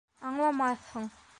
Аңламаҫһың.